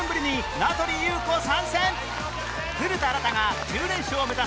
古田新太が１０連勝を目指す